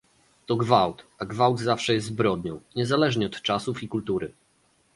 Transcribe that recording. To gwałt, a gwałt zawsze jest zbrodnią, niezależnie od czasów i kultury